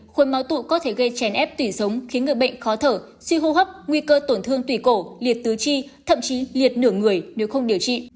khối máu tụ có thể gây chèn ép tủy sống khiến người bệnh khó thở suy hô hấp nguy cơ tổn thương tủy cổ liệt tứ chi thậm chí liệt nửa người nếu không điều trị